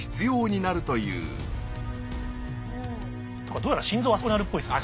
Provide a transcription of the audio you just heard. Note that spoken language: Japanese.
どうやら心臓はあそこにあるっぽいですね。